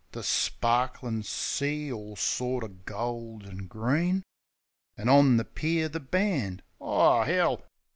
The sparklin' sea all sorter gold an' green; An' on the pier the band — O, 'Ell!